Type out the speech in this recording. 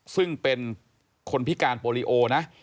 ซึ่งเป็นคนพิการโปรลิโอนะ